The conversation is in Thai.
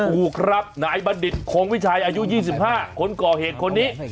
ถูกครับนายบัณฑิตคงวิชัยอายุ๒๕คนก่อเหตุคนนี้